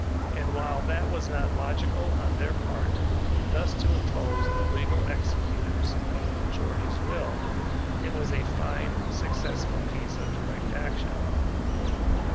And while that was not logical on their party thus to oppose the legal executors of the majority's will, it was a fine, successful piece of direct action.